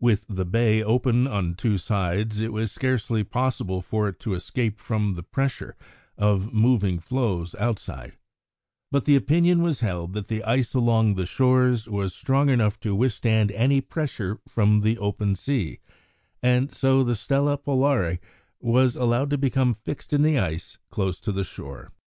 With the bay open on two sides, it was scarcely possible for it to escape from the pressure of moving floes outside; but the opinion was held that the ice along the shores was strong enough to withstand any pressure from the open sea, and so the Stella Polare was allowed to become fixed in the ice close to the shore.